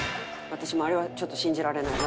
私もあれはちょっと信じられない。